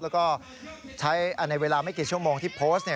แล้วก็ใช้ในเวลาไม่กี่ชั่วโมงที่โพสต์